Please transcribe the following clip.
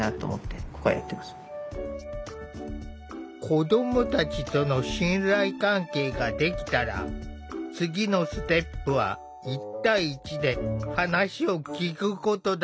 子どもたちとの信頼関係ができたら次のステップは１対１で話を聴くことだ。